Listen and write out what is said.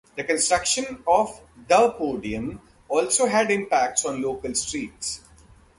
The construction of The Podium also had impacts on local streets.